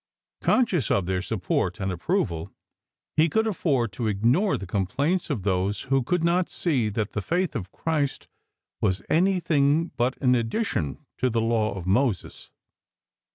Conscious of their support and ap pioval, he could ahord to ignore the com plaints of those who could not see that the faith of Christ was anything but an addition to the Law of Moses.